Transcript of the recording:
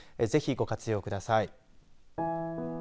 ぜひ、ご活用ください。